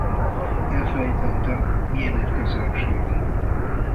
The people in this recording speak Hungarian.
Elfelejtettem milyen egy közönség.